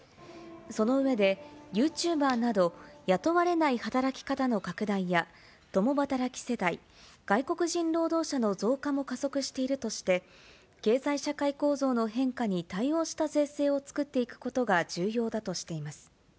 その上で、ユーチューバーなど、雇われない働き方の拡大や、共働き世帯、外国人労働者の増加も加速しているとして、経済社会構造の変化に対応した税制を作っていくことが重要だとしています。